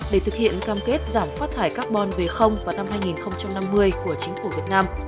để thực hiện cam kết giảm phát thải carbon v vào năm hai nghìn năm mươi của chính phủ việt nam